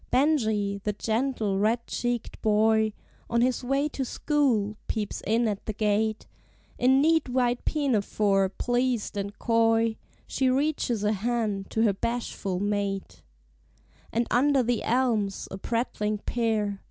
Benjie, the gentle, red cheeked boy. On his way to school, peeps in at the gate; In neat white pinafore, pleased and coy, She reaches a hand to her bashful mate; And under the elms, a prattling pair.